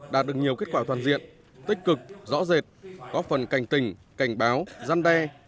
đạt được nhiều kết quả toàn diện tích cực rõ rệt góp phần cảnh tình cảnh báo gian đe